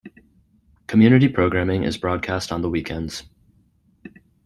Community programming is broadcast on the weekends.